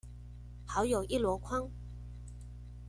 好友一籮筐